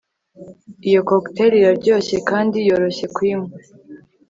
Iyo cocktail iraryoshye kandi yoroshye kuyinywa